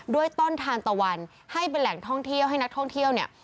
ด้วยต้นทานตะวันให้เป็นแหล่งท่องเที่ยวให้นักท่องเที่ยวเนี่ย